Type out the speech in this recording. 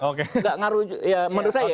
nggak ngaruh ya menurut saya ya